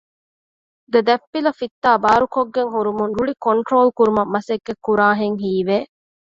ދެދަތްޕިލަ ފިއްތާ ބާރުކޮށްގެން ހުރުމުން ރުޅި ކޮންޓްރޯލް ކުރުމަށް މަސައްކަތް ކުރާހެން ހީވެ